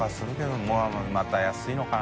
發また安いのかな？